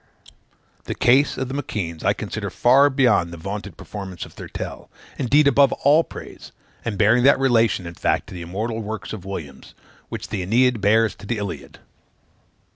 The case of the M'Keands I consider far beyond the vaunted performance of Thurtell, indeed above all praise; and bearing that relation, in fact, to the immortal works of Williams, which the Æneid bears to the Iliad.